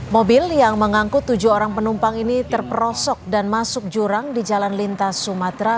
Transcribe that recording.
mobil yang mengangkut tujuh orang penumpang ini terperosok dan masuk jurang di jalan lintas sumatera